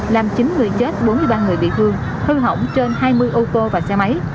làm chín người chết bốn mươi ba người bị thương hư hỏng trên hai mươi ô tô và xe máy